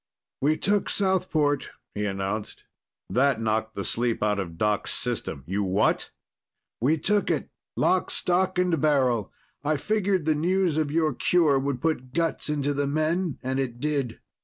"We took Southport," he announced. That knocked the sleep out of Doc's system. "You what?" "We took it, lock, stock and barrel. I figured the news of your cure would put guts into the men, and it did.